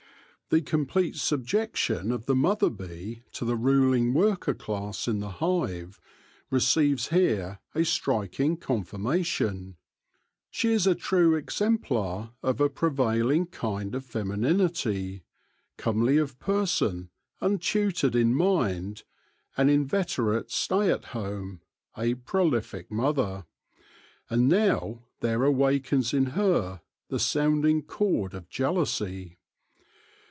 The complete subjection of the mother bee to the ruling worker class in the hive receives here a striking confirmation. She is a true exemplar of a prevailing kind of femininity — comely of person, untutored in mind, an inveterate stay at home, a prolific mother ; and now there awakens in her the sounding chord of jealousy.